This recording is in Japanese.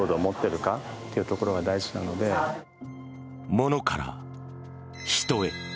物から人へ。